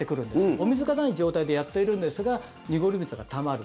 お水がない状態でやっているんですが濁り水がたまる。